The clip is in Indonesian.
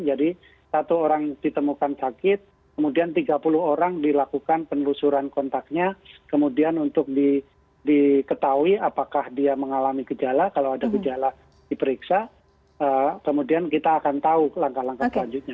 jadi satu orang ditemukan sakit kemudian tiga puluh orang dilakukan penelusuran kontaknya kemudian untuk diketahui apakah dia mengalami gejala kalau ada gejala diperiksa kemudian kita akan tahu langkah langkah selanjutnya